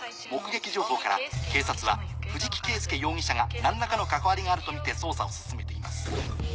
目撃情報から警察は藤木圭介容疑者が何らかの関わりがあるとみて捜査を進めています。